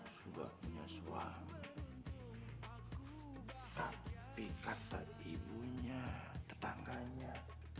sudah punya suamiku tapi kata ibunya tetangganya